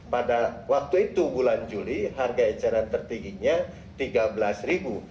pada waktu itu bulan juli harga eceran tertingginya rp tiga belas